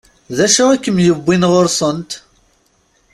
D acu i kem-yewwin ɣur-sent?